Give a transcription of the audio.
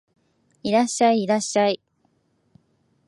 いらっしゃい、いらっしゃい